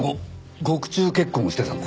獄中結婚してたのか？